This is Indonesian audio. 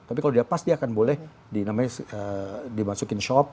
tapi kalau dia pas dia akan boleh dimasukin shop